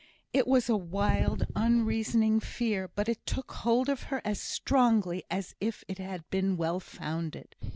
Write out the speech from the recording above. It was a wild, unreasoning fear, but it took hold of her as strongly as if it had been well founded.